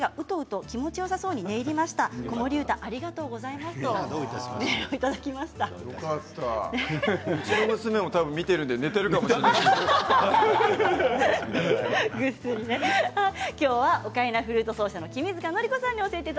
うちの娘も見ているので寝ているかもしれない。